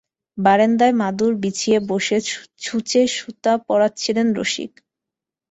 বারান্দায় মাদুর বিছিয়ে বসে ছুঁচে সুতো পরাচ্ছিলেন– রসিক।